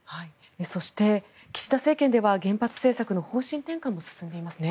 そして、岸田政権では原発政策の方針転換も進んでいますね。